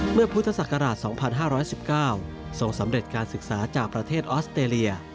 พุทธศักราช๒๕๑๙ทรงสำเร็จการศึกษาจากประเทศออสเตรเลีย